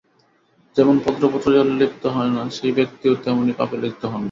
যেমন পদ্মপত্র জলে লিপ্ত হয় না, সেই ব্যক্তিও তেমনি পাপে লিপ্ত হন না।